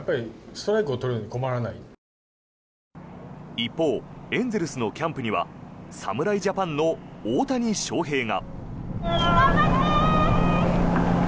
一方エンゼルスのキャンプには侍ジャパンの大谷翔平が。